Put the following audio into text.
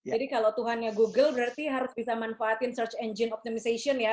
jadi kalau tuhannya google berarti harus bisa manfaatin search engine optimization ya